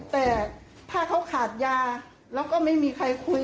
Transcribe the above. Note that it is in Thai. แต่ถ้าเขาขาดยาแล้วก็ไม่มีใครคุย